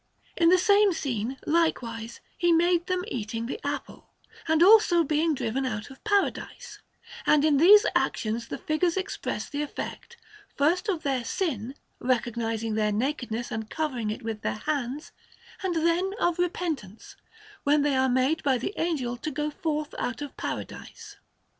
In the same scene, likewise, he made them eating the apple, and also being driven out of Paradise; and in these actions the figures express the effect, first of their sin, recognizing their nakedness and covering it with their hands, and then of repentance, when they are made by the Angel to go forth out of Paradise.